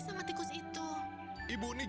bapak mau mandi